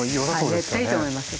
絶対いいと思いますよ。